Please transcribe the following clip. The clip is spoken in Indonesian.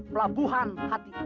pelabuhan hati abang